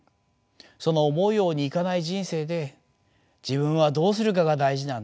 その思うようにいかない人生で自分はどうするかが大事なんです。